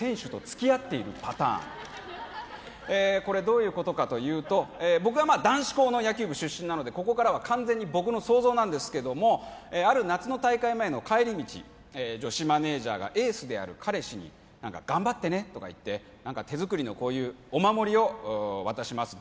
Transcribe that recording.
はいこれどういうことかというと僕は男子校の野球部出身なのでここからは完全に僕の想像なんですけどもある夏の大会前の帰り道女子マネージャーがエースである彼氏に頑張ってねとか言って手作りのこういうお守りを渡します